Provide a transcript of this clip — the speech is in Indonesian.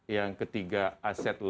yang ketiga itu yang kita sebutkan